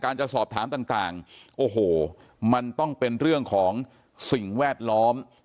จะสอบถามต่างโอ้โหมันต้องเป็นเรื่องของสิ่งแวดล้อม